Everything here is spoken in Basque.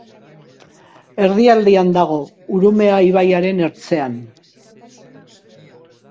Erdialdean dago, Urumea ibaiaren ertzean.